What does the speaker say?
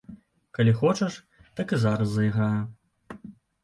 Калі хочаш, так і зараз зайграю.